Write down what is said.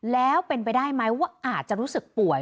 แล้วเป็นไปได้ไหมว่าอาจจะรู้สึกป่วย